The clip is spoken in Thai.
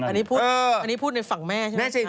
อันนี้พูดในฝั่งแม่ใช่ไหม